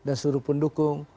dan seluruh pendukung